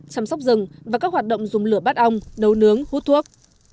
chăm sóc rừng và các hoạt động dùng lửa bát ong nấu nướng hút thuốc